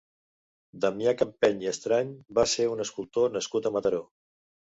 Damià Campeny i Estrany va ser un escultor nascut a Mataró.